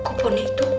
kok pake itu